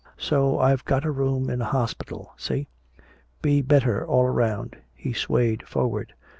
So I've got a room in a hospital! See? Be better all round!" He swayed forward.